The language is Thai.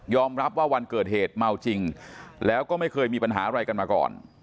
รับว่าวันเกิดเหตุเมาจริงแล้วก็ไม่เคยมีปัญหาอะไรกันมาก่อน